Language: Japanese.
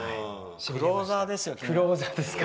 クローザーですよ。